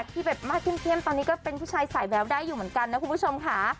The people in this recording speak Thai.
ที่แบบมากเข้มตอนนี้ก็เป็นผู้ชายสายแววได้อยู่เหมือนกันนะคุณผู้ชมค่ะ